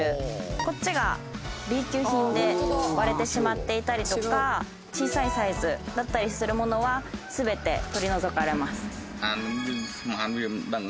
こっちがＢ級品で割れてしまっていたりとか小さいサイズだったりするものは全て取り除かれます。